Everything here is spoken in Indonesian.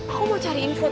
aku mau cari informasi